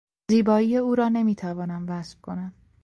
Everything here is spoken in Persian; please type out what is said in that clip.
زیبایی او را نمیتوانم وصف کنم.